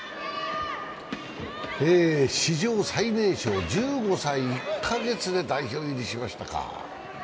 史上最年少１５歳１か月で代表入りしましたか。